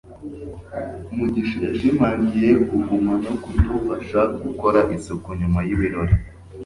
mugisha yashimangiye kuguma no kudufasha gukora isuku nyuma y'ibirori